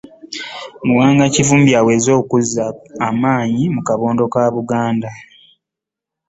Muwanga Kivumbi aweze okuzza amaanyi mu kabondo ka Buganda